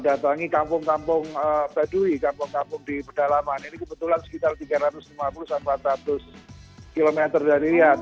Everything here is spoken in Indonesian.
datangi kampung kampung baduy kampung kampung di pedalaman ini kebetulan sekitar tiga ratus lima puluh empat ratus km dari riyad